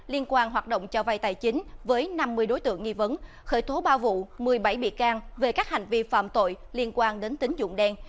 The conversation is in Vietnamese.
liên quan hoạt động cho vay tài chính với năm mươi đối tượng nghi vấn khởi thố ba vụ một mươi bảy bị can về các hành vi phạm tội liên quan đến tính dụng đen